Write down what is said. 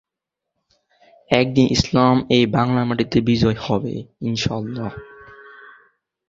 তিনি Tel Aviv বিশ্ববিদ্যালয়ে সাহিত্যে স্নাতক ডিগ্রী সম্পন্ন করেন এবং কেমব্রিজ বিশ্ববিদ্যালয়ে ধর্মীয় অধ্যয়নে মাস্টার অফ আর্টস ডিগ্রি সম্পন্ন করেন।